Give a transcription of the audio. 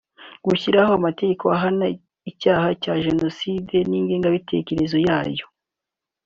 gushyiraho amategeko ahana icyaha cya Jenoside n’ingengabitekerezo yayo